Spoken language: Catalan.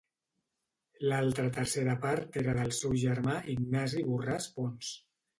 L'altra tercera part era del seu germà Ignasi Borràs Pons.